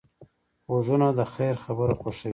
غوږونه د خیر خبره خوښوي